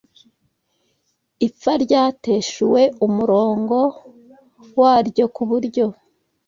ipfa ryateshuwe umurongo waryo ku buryo